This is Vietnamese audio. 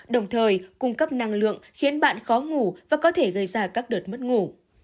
đồng thời cung cấp năng lượng khiến bạn khó ngủ và có thể gây ra các đợt mất ngủ